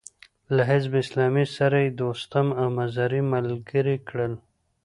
له حزب اسلامي سره يې دوستم او مزاري ملګري کړل.